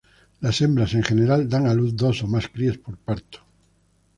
Las hembras en general, dan a luz dos o más crías por parto.